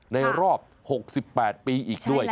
ในรอบ๖๘ปีอีกด้วย